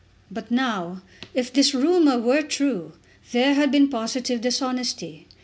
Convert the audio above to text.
But now, if this rumour were true, there had been positive dishonesty.